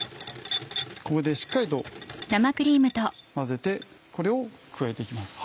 ここでしっかりと混ぜてこれを加えて行きます。